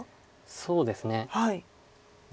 そうですね。